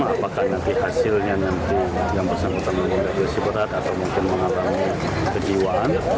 apakah nanti hasilnya nanti yang bersama teman teman yang berkosip berat atau mungkin mengalami kejiwaan